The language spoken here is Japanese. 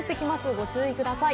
ご注意ください。